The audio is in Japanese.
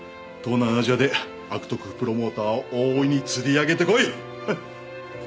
東南アジアで悪徳プロモーターを大いに釣り上げてこい。